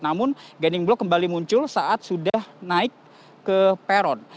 namun guiding block kembali muncul saat sudah naik ke peron